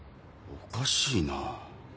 おかしい？